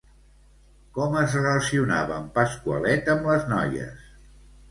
Com es relacionava en Pasqualet amb les noies?